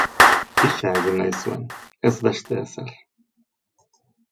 Pixa egin nahi nuen, ez beste ezer.